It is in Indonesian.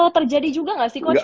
terjadi juga nggak sih coach